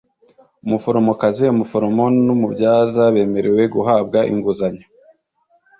umuforomokazi , umuforomo n umubyaza bemerewe guhabwa inguzanyo